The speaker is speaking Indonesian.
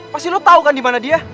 pasti lo tau kan dimana dia